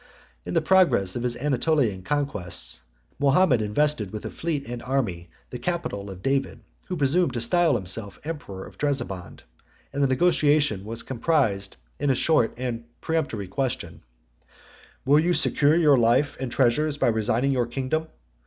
87 In the progress of his Anatolian conquest, Mahomet invested with a fleet and army the capital of David, who presumed to style himself emperor of Trebizond; 88 and the negotiation was comprised in a short and peremptory question, "Will you secure your life and treasures by resigning your kingdom?